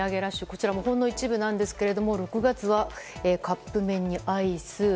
こちらもほんの一部ですが６月はカップ麺にアイス。